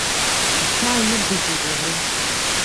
Иҽааиргаӡеит Лаврент.